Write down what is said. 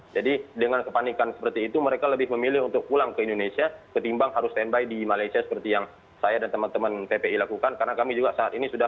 jadi dengan kepanikan seperti itu mereka lebih memilih untuk pulang ke indonesia ketimbang harus stand by di malaysia seperti yang saya dan teman teman ppi lakukan